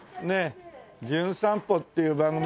『じゅん散歩』っていう番組で来ました